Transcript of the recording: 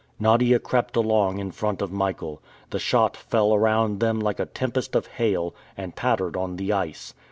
Nadia crept along in front of Michael. The shot fell around them like a tempest of hail, and pattered on the ice.